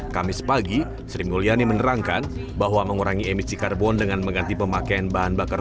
kamis pagi sri mulyani menerangkan bahwa mengurangi emisi karbon dengan mengganti pemakaian bahan bakar